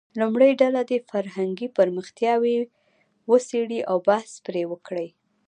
لومړۍ ډله دې فرهنګي پرمختیاوې وڅېړي او بحث پرې وکړي.